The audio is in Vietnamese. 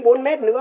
bốn mét nữa